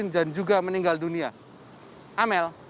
yang ada di indonesia amel